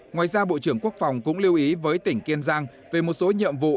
ngoài ra bộ trưởng quốc phòng cũng lưu ý với tỉnh kiên giang về một số nhiệm vụ